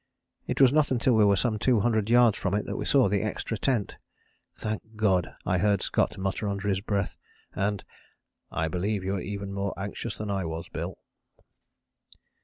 It was not until we were some two hundred yards from it that we saw the extra tent. "Thank God!" I heard Scott mutter under his breath, and "I believe you were even more anxious than I was, Bill."